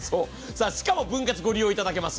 しかも分割ご利用いただけます。